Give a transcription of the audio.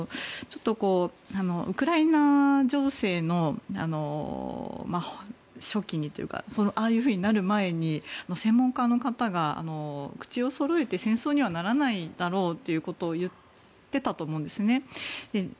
ちょっと、ウクライナ情勢の初期にというかああいうふうになる前に専門家の方が口をそろえて戦争にはならないだろうということを言っていたと思うんですね。